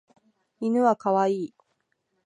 犬は可愛い。